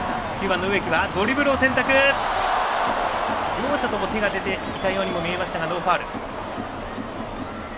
両者とも手が出ていたように見えましたがノーファウル。